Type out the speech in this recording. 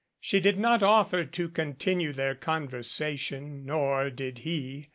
She did not offer to continue their conver sation, nor did he.